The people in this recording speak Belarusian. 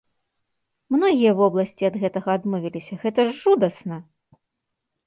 Многія вобласці ад гэтага адмовіліся, гэта ж жудасна!